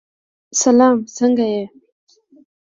سلام! څنګه یې؟